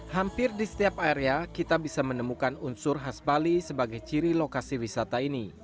hampir di setiap area kita bisa menemukan unsur khas bali sebagai ciri lokasi wisata ini